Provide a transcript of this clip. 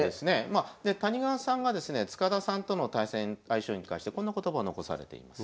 で谷川さんがですね塚田さんとの対戦相性に関してこんな言葉を残されています。